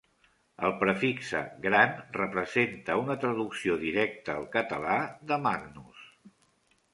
El prefixe "gran" representa una traducció directa al català de "magnus".